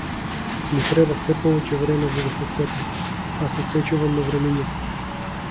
Ми треба сѐ повеќе време за да се сетам, а се сеќавам на времињата.